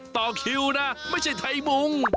ต่อคิวนะไม่ใช่ไทยมุง